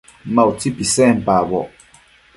Ma utsi pisenpacboc